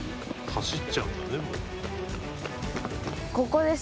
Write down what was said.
「走っちゃうんだねもう」